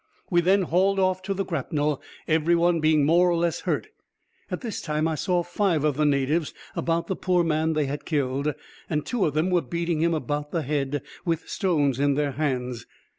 We then hauled off to the grapnel, every one being more or less hurt. At this time I saw five of the natives about the poor man they had killed, and two of them were beating him about the head with stones in their hands.